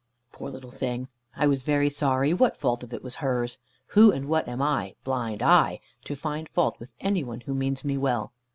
Poor little thing! I was very sorry; what fault was it of hers? Who and what am I, blind I, to find fault with any one who means me well?